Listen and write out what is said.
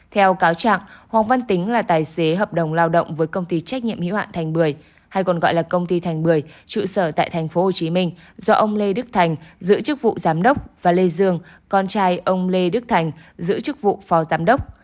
theo cáo trạng hoàng văn tính là tài xế hợp đồng lao động với công ty trách nhiệm hiệu ạn thành bưởi hay còn gọi là công ty thành bưởi trụ sở tại thành phố hồ chí minh do ông lê đức thành giữ chức vụ giám đốc và lê dương con trai ông lê đức thành giữ chức vụ phò giám đốc